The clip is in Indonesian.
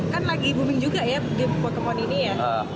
kan lagi booming juga ya game pokemon ini ya